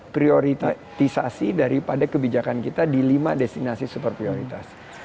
prioritisasi daripada kebijakan kita di lima destinasi super prioritas